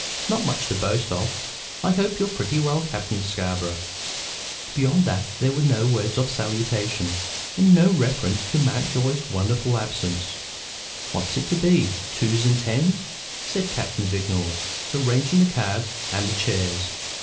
"Not much to boast of. I hope you're pretty well, Captain Scarborough." Beyond that there was no word of salutation, and no reference to Mountjoy's wonderful absence. "What's it to be: twos and tens?" said Captain Vignolles, arranging the cards and the chairs.